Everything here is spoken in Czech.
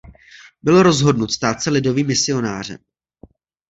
Byl rozhodnut stát se lidovým misionářem.